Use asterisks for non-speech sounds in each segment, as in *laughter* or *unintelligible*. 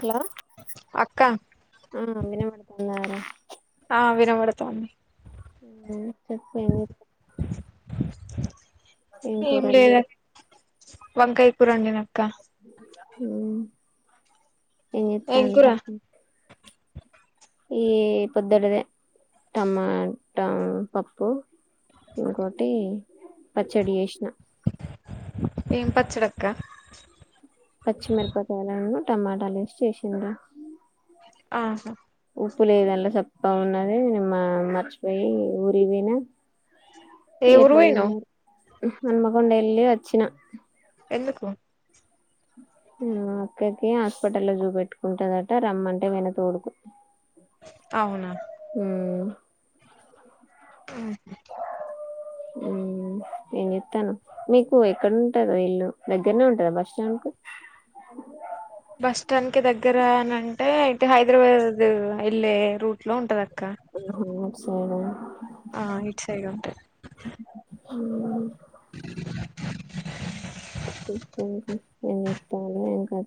hello అక్క వినపడధ ఆ వినబడతా చెప్ప ఏం కురా ఆండీ వంకాయ పూరం ననక్క ఉమ్ ఏం కూర ఎంచెట్టాండ్రు ఈ పొద్దడిద టమాట పప్పు ఇంకోటి పచ్చడి చెస్నా ఎన్ పచ్చడి అక్కా పచ్చిమిరపకాయాలలను టమాటాలు వేసి చేసింది ఆహా ఉప్పు లేదలా చెప్పాగా ఉన్నది మర్చిపోయి ఊరి పోయినా ఏ ఊరు ఎట్లా పోయినవ్ ఉన్నారు నన్మకొండ వెళ్ళి వచ్చిన ఎందుకు ఒకక్కేకి హాస్పిటల్లో చూపెట్టుకుంటందట రమ్మంటే పోయిన తోడుకు అవునా ఉ ఆ నేను చెప్తాను మీకు ఎక్కడ ఉంటారు ఇల్లు దగ్గరనే ఉంటందా బస్ స్టాండ్ కు బస్ స్టాండ్ కి దగ్గర అని అంటే అయితే హైదరాబాద్ వెళ్ళే రూట్ లో ఉంటంది అక్క ఆహా *unintelligible* ఆ ఇటు సైడ్ ఉంటది ఆ *unintelligible*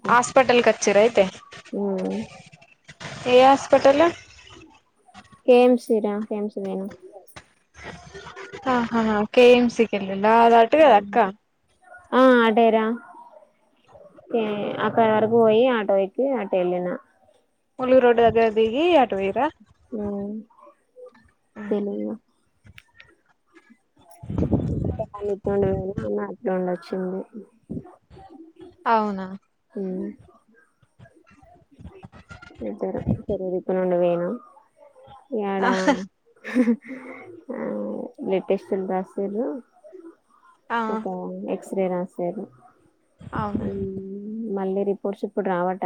హాస్పిటల్ కచ్చిరా అయితే ఉమ్ ఏ హాస్పిటల్ *unintelligible* కెంస్మను ఆహా కెఎంసి కెల్లింద్ర అటుగాదా అక్క ఆ అధేయ్ రా అక్కడ వరకు పోయి ఆటో ఎక్కి అట వెళ్ళిన ముళ్ళు రోడ్డు దగ్గర దిగి ఆటు పోయిరా ఉమ్ తెలిలా వాను ఇట్ నుండి పోయినా ఆమె అట్ నుండి వచ్చింది అవునా ఉమ్ ఇద్దరు చెర్ దిక్కు నుండి పోయినారు ఏడా ఆ బ్లాడ్ లేటెస్ట్ రాశిర్రు ఆ ఒక ఎక్స్ సరే రాశారు అవునా ఉమ్ మళ్ళే రిపోర్ట్స్ ఇప్పుడు రావట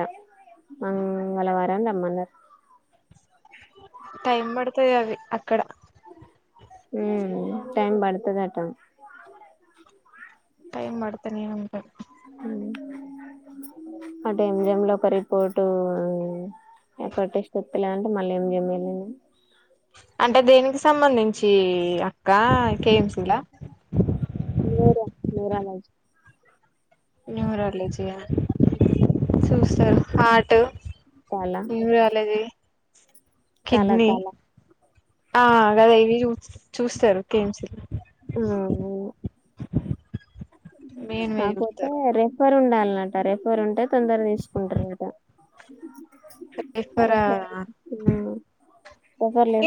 మంగళవారం రమ్మన్నారు టైం పడతాయి అవి అక్కడ ఉమ్ టైం పడతదట టైం పడతానే ఉంటది అంటే ఎంజేమ్ లో ఒక రిపోర్టు ఒక్కటే సెప్ప్పలేదంటే మళ్ళీ ఎంజైమ్ ఎల్లింది అంటే దేనికి సంబంధించి అక్క కేఎంసీలా న్యూరో న్యూరాలజీ న్యూరాలజీ ఆ చూస్తారు హార్ట్ న్యూరోలజీ తాల తాల ఆ కదా ఇవి చూ చూస్తారు కేఎంసిలో ఉమ్ మెయిన్వే కాపోతే చూస్తారు రెఫర్ ఉండాలి లాంటా రెఫెర్ ఉంటే తొందరా తీసుకుంటారటా అరా సారీ ఉమ్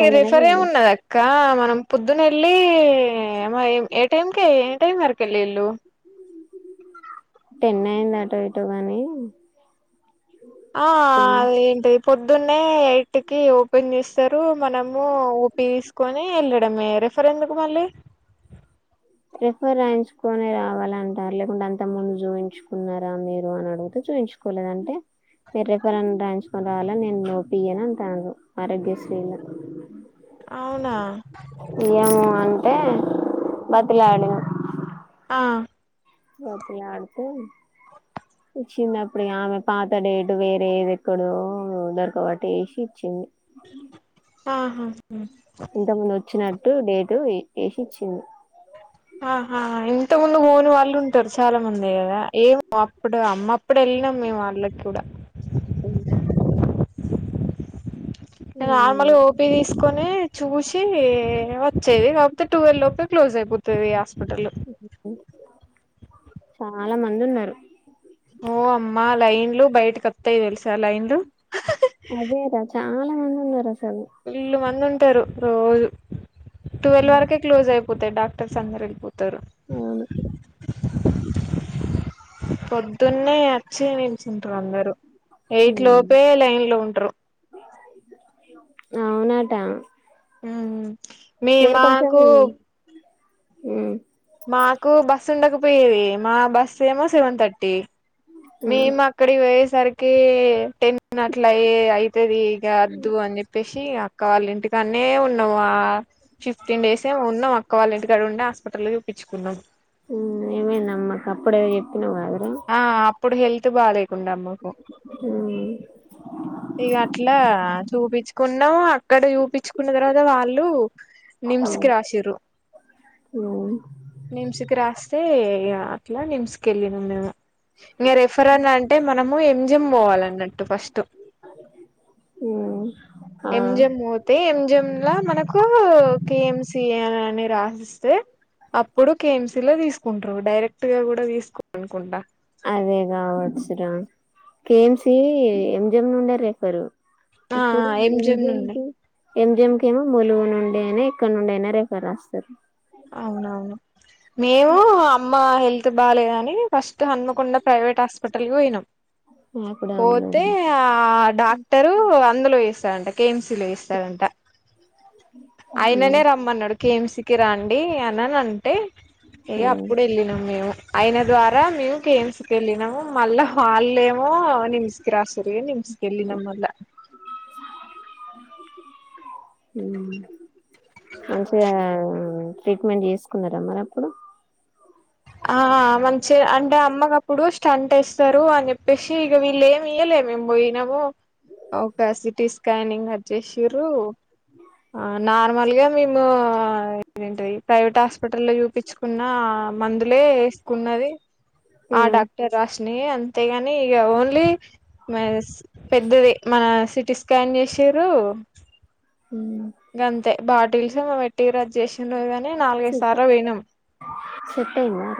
ఏ రేఫర్ ఏమి ఉన్నదక్క మనం పూద్దున్న ఎలీ ఏ టైమ్ కే ఏ టైమ్ అరకు ఎల్లిల్లు టెన్ అయింది అటో ఇటో గాని ఆ అదేం టైప్ పొద్దున్నే ఎయిట్ కి ఓపెన్ చేస్తారు మనము ఓపి తీసుకోని వెళ్ళడంమే రాక్ రెఫెర్ ఎందుకు మళ్ళీ *inaudible* రెఫెర్ రాయించుకుని రావాలంటారు లేకుంటే అంత ముందు చూయించుకున్నారా మీరు అని అడిగితే చు చూయించు కోలేదంటే మీరు రెఫెర్ అన్న రాయించుకొని రావాలా నేను వోపి ఇయను అంతన్రు ఆరోగ్యశ్రీల అవునా అట్టే బతులాడినామ్ ఆ బతిలాడితే ఇచ్చింది అప్పుడు ఆమె పాతడేటు వేరేది ఎక్కడో దొరకబట్టి వేసి ఇచ్చింది ఆహా ఇంత ముందు వచ్చినట్టు డేటు వేసి ఇచ్చింది ఆహా ఇంత ముందు పోని వాళ్ళు ఉంటారు చాలా మంది కదా ఏమో అప్పుడు అమ్మప్పుడు వెళ్ వెళ్లినాం మేము వాళ్ళకి కూడా అవ్ నార్మల్గా ఓపి తీసుకొని చూసి వచ్చేది కాకపోతే టువెల్ లోపే క్లోజ్ అయిపోతుదిగ హోటలు చాలా మంది ఉన్నారు ఓ అమ్మా లైన్లు బయటికి వత్తాయి తెలుసా లైన్లు అదే రా చాలా మంది ఉన్నారు అస్స వీల్లు మంది ఉంటారు రోజు టువల్ వరకే క్లోజ్ అయిపోతాయి డాక్ట ర్ సంగారు వెళ్ళిపోతారు అవును పొద్దున్నే వచ్చి నిల్చుంటారు అందరూ ఎయిట్ లోపే లైన్ లో ఉంటరు అవునటా ఉమ్ మీ నేను కొంచం మాకు మ్మ్ మాకు బస్సు ఉండకపోయేవి మా బస్ ఏమో సెవెన్ థర్టీ మ్మ్ మేము అక్కడి పోయేసరికి టెన్ అట్లు అయి సరి ఈగ అద్దు అనే చెప్పెస్ సి ఇగ అక్క వాళ్ళ ఇంటికానే ఉన్నాం ఆ ఫిఫ్టీన్ డేస్ ఏమో ఉన్నాం అక్క వాళ్ళ ఇంటికా ఉండే హస్పిట టల్ చూపించుకున్నాం మ్మ్ ఏమైందమ్మ అప్పుడే ఇట్ ఆ అప్పుడు హెల్త్ బా లేకుండా అమ్ము కు మ్మ్ ఇగ అట్లా చూపించుకున్నాము అక్కడే చూపిచ్చు కున్న తర్వాత వాళ్ళు నిమ్స్కీ రాసిర్రు మ్మ్ నిమ్స్కి రాస్తే అట్ల నిమ్స్కెలినం మేము ఇంగ రెఫరాన్ అంటే మనము ఎం జం పోవాల అన్నట్టు ఫస్ట్ మ్మ్ ఆ ఎం జం పోతే ఎం జం లా మనకు కే ఎం సి అనే రాసిస్తే అప్పుడు కే ఎం సీ లో తీసుకుంటారు డైరెక్ట్ గా కూడా తీసుకోనుకుంటా అదే కావచ్చురా కే ఎం సీ ఎం జమ్ నుండే రేఫరు ఆ ఇప్పుడు ఎం ఎంజెం జం నుండి టి ఎం జం కేమో ములుగు నుండి అయినా ఎక్కడ నుండి అయినా రెఫర్ రాస్తారు అవునవును మేము అమ్మ హెల్ ల్త్ బాలేదని ఫస్ట్ హన్మకుండ ప్రైవేట్ హాస్పిటల్కి పోయినాం యాప్ డౌన్లోడ్ పోతే ఆ డాక్టరు అందులో వేస్ స్తారంట కే ఎం సి లో ఇస్తారంట అయిననే మ్మ్ రమ్మన్నాడు కిమ్స్ కి రండి అనని అంటే ఇగ మ్మ్ అప్పుడు వెళ్ళినాం మేము అయన ద్వారా మము గేమ్స్క వెళ్ళినాము మళ్ళా వాళ్ళేమో నిమ్స్ కి రాస్ సర్లే నిమ్స్కీ వెళ్ళినాం అట్ల మ్మ్ మంచిగా ట్రీట్మెంట్ చేసుకున్నారా మరి అప్పుడు ఆ మంచిగా అంటే అమ్మగప్పుడు స్టంట్ వేస్తారు అని చెప్పేసి ఇగ వీళ్ళు ఏమి ఇయలే మేము పోయినాము ఓకే సిటి స్కానింగ్ వచ్చేసిర్రు నార్ వాళ్ళు కాదు మేము ఏంటది ప్రైవేట్ హాస్పిటల్లో చూపిచుకున్న మందులే వేసుకున్నది ఆ మ్మ్ డాక్టర్ రాస్ నే అంతేగాని ఇగ ఓన్లీ పెద్దది మన సిటి స్కాన్ చేస్సిర్రు మ్మ్ ఇంగంతే బాటిల్సు పెట్టిర్రు వచ్చేసిండు కాగాని నాలుగైదు సార్లు పోయినాం సెట్ అయ్యిందా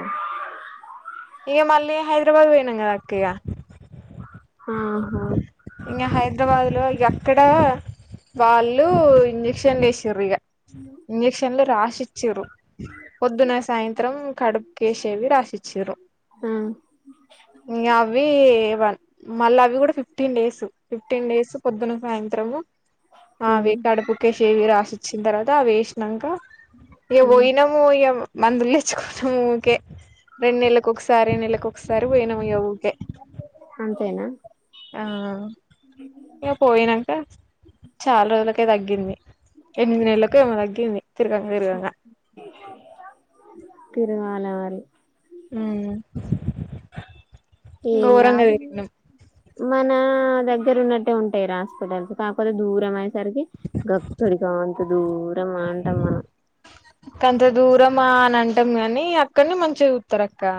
ఇగ మళ్ళీ హైదరాబాద్ పోయినాం కదక్క ఇగ ఆహా ఇంగ హైదరాబాద్ లో ఎక్కడా వాళ్ళు ఇంజెక్షన్లు ఎసిర్రు ఇగ ఇంజెక్షన్లు రాసి చిరు పొద్దున సాయంత్రం కడుపు కేసేవి రాసిచ్చరు ఆ ఇంగ అవి మళ్ళ అవి కూడా fifty fifteen days fifteen days పొద్దున సాయంత్రము ఆ ఉమ్ వేకాడపు కేేసిేవి రాసిచ్చ వచ్చిన తర్వాత అ వేసినాక ఏ ఉమ్ పోయినము ఏ మందులు తెచ్చుకున్నా ఊకే రెండు నెలలకు ఒకసారి ఏ నెలలకు ఒకసారి పోయినము ఊకే సరేనా ఆ ఇక పోయినాక చాలా రోజులకే తగ్గింది ఎనిమిది నెలలలకు ఎవ దగంది తిరుగా తిరుగాంగా తిరగాలి ఏం గోరం గా కాదు తిరిగిన మన దగ్గర ఉన్నట్టే ఉంటాయి రా హాస్పిటల్స్ కాకపోతే దూరం అయే సరికి గక్కడిగా అంత దూరం అంటాం మనం కొంత దూరమా అని అంటాం కాని అక్కడని మంచిగా రక్క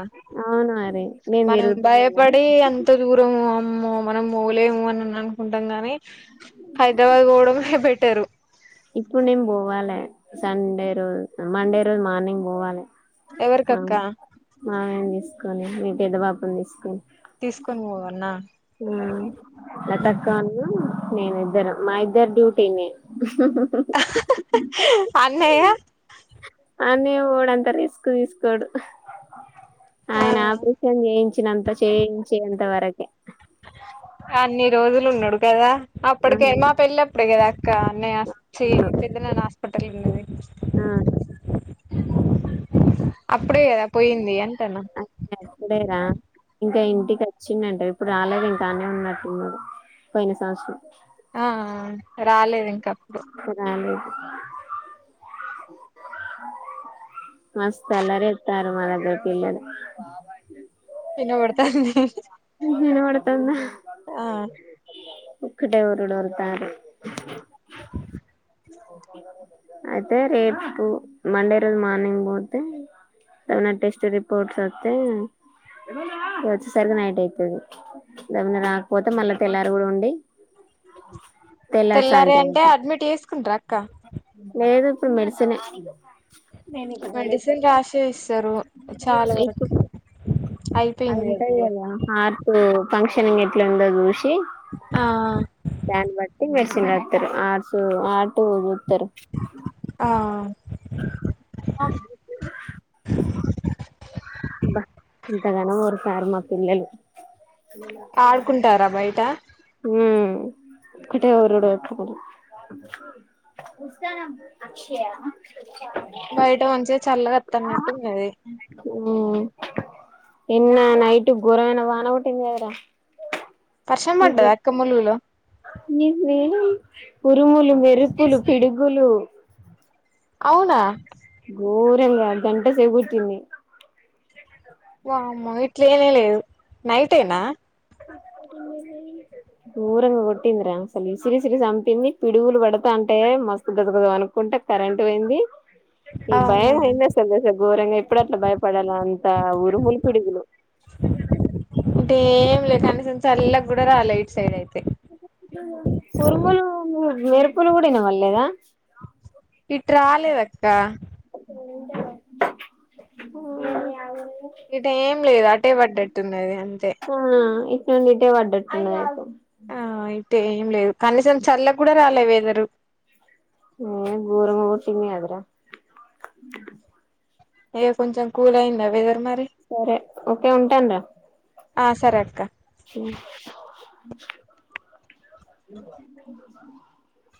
అవును మరి నేను మనం తిరుగుతలేనా భయపడి ఎంత దూరం మనం మోలేము అని అనుకుంటాం గాని హైదరాబాద్ గోడ పెట్ పేట్టరు ఇప్పుడు నేం పోవాలి సండే రోజు మండే రోజు మార్నింగ్ పోవాలి మా ఎవరికక్క మామేం తీసుకొని మీ పెద్ద పాాపని తీసుకొని తీసుకొని పోవన్నా ఆ నటక్క అన్న నను ఇద్దర మా ఇద్దరు డ్యూటీని అన్నయ్య అనే వాడ అంత రిస్క్ తీసుకోడు ఆయన ఆ ఆపరేషన్ చేయించినంత చేయించంత వరకే అన్ని రోజులు ఉన్నాడు కదా అప్పటికే అవును మా పెళ్ళిప్పుడు కదా అక్క అన్నయ్య వచ్చి పెద్ద నన్న హాస్పిటల్ ఉన్నది ఆ *inaudible* కదా పోయింది అంటన్న అ అప్పుడేరా ఇంకా ఇంటికి వచ్చి చిన్నంట ఇప్పుడు రాలేదు ఇంకానే ఉన్నట్లు పోయిన సంవత్సరం ఆ రాలేదు ఇంక అప్పుడు ఇంకా రాలేదు మస్తు అల్లరి చేస్తుంటారు పిల్లలు చిన్న పడుతా వినపడుతుందా ఒకక్కటే ఉఊరులోర్ తారు అయితే రేపు మండే రోజు మార్నింగ్ పోతే తమ టెస్ట్ రిపోర్ట్స్ అత్త సరిగా నైట్ అయితుది దవని రాకపోతే మళ్ళా తెల్లారు కూడా ఉండి తెల్లారి తెల్లారే సాయంత్రం అంటే అడ్మిట్ చేసుకుంట్ర అక్క ఏది ఇప్పుడు మెడిసిన్ మెడిసిన్ రాసే ఇస్తరు చాలా వరకు *inaudible* అ అయిపోయింది కదా ఇగ ఉంటాయ్యలా ఆట్ ఫంక్షన్ంగ్ ఎట్ల ఉందదు ఇష్ట ఆ ప్యాన్ బట్టి మెడ్సిన్ ఆక్తారు ఆస ఆట ఆ అే బస్ ఇంతగాన వఊరు సారు మా పిల్లలు ఆడుకుంటారా బయట హ కటరుడు ఉస్సానం అక్షయ బయట వంచి చల్లగాత్తన్నట్ే మీది ఉ నీనా నైట్ ఘోరమైన వాన ఒకట్టింది కదర వర్షం పంటద అక్క *unintelligible* *unintelligible* ఉరుములు మెరుపులు పిడుగులు అవునా అ గంట సేపు కూర్చుంది వామ ఇట్లే ఏనే లేదు నైటేనా గోరంగా కొట్టిందిరా అసలు విసిరిసిరి చంపింది పిడుగులు పడతా అంటే మస్తు గజ గజ అనుకుంట కరెంట్ పోయింది ఈ అవునా భయం అయింది అసలు *unintelligible* ఘోరంగా ఎప్పుడు అట్లా భయపడ నంత ఊరుములు పిడుగులు ఏం లేదు కనీసం చల్ల కూడ రాల ఇట్ సైడ్ అయితే ఉరుములు మెరుపులు కూడ ఇనవడలేదా ఇటు రాలేదక్క ఇటు ఏం లేదు అటే పడ్డట్టున్నది అంతే ఆ *unintelligible* అంటే ఏం లేదు కనీసం చల్ల కూడ రాలేదు వెదరు *unintelligible* ఏ కొంచెం కూల్ అయింద వెదర్ మరి సరే ఒకే వుంటాన్డ ఆ సరే అక్క అ